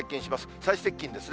最接近ですね。